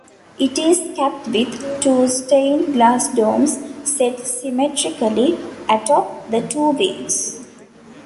It is capped with two stained-glass domes, set symmetrically atop the two wings.